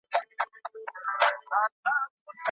موږ باید د هغوی له پوهې ګټه واخلو.